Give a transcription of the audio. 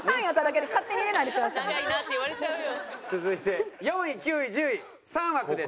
続いて４位９位１０位３枠です。